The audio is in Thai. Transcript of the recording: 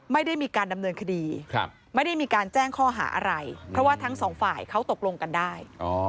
ไม่ได้มีการดำเนินคดีไม่ได้มีการแจ้งข้อหาอะไรเพราะว่าทั้งสองฝ่ายเขาตกลงกันได้